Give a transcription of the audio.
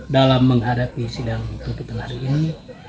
dalam menghadapi sidang tukit tenahri ini